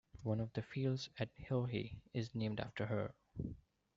One of the fields at Hilhi is named after her.